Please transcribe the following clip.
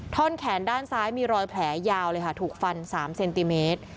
ท่อนแขนด้านซ้ายมีรอยแผลยาวเลยค่ะถูกฟัน๓เซนติเมตร